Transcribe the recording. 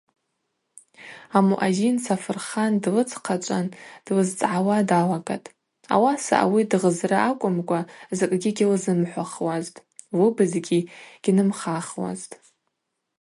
Амуъазин Сафырхан длыдзхъачӏван длызцӏгӏауа далагатӏ, ауаса ауи дгъызра акӏвымкӏва закӏгьи гьылзымхӏвахуазтӏ, лыбызгьи гьнымхахуазтӏ.